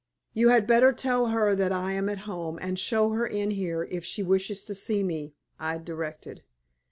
"You had better tell her that I am at home, and show her in here if she wishes to see me," I directed.